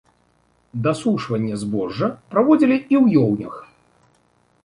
Дасушванне збожжа праводзілі і ў ёўнях.